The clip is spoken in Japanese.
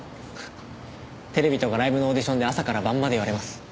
テレビとかライブのオーディションで朝から晩まで言われます。